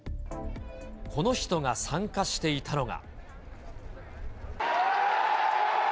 この人が参加していたのが。